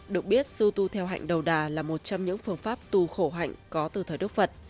được biết sư tu theo hạnh đầu đà là một trong những phương pháp tu khổ hạnh có từ thời đức phật